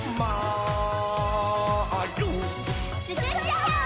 つくっちゃおう！